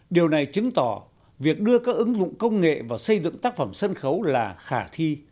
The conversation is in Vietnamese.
điều này chứng tỏ việc đưa các ứng dụng công nghệ vào xây dựng tác phẩm sân khấu là khả thi